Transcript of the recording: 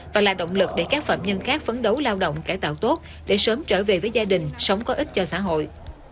và là động lực để các phạm nhân khác phấn đấu lao động cải tạo tốt để sớm trở về với gia đình sống có ích cho xã hội